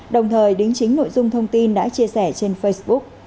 đồng thời đính chính nội dung thông tin đã chia sẻ trên facebook